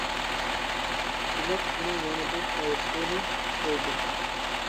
دېمەك ئۇنىڭ يەنە بىر تەرىپىنى كۆردۈم.